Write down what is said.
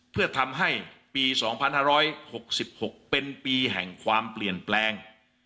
เพื่อทำให้ปีสองพันหาร้อยหกสิบหกเป็นปีแห่งความเปลี่ยนแปลง